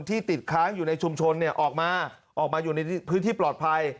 ที่ติดค้างอยู่ในชุมชนออกมาออกมาอยู่ในพื้นที่ปลอดภัย